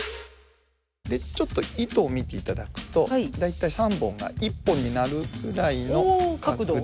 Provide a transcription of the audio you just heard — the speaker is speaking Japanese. ちょっと糸を見ていただくと大体３本が１本になるぐらいの角度。